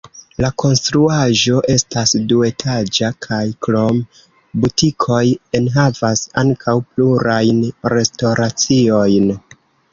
La konstruaĵo estas duetaĝa kaj krom butikoj enhavas ankaŭ plurajn restoraciojn.